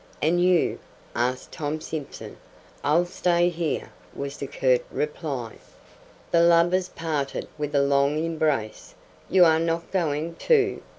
"And you?" asked Tom Simson. "I'll stay here," was the curt reply. The lovers parted with a long embrace. "You are not going, too?"